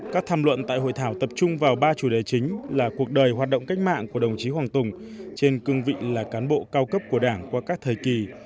các tham luận tại hội thảo tập trung vào ba chủ đề chính là cuộc đời hoạt động cách mạng của đồng chí hoàng tùng trên cương vị là cán bộ cao cấp của đảng qua các thời kỳ